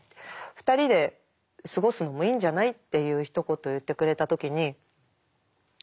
「２人で過ごすのもいいんじゃない」っていうひと言を言ってくれた時に「はっ！」と思って。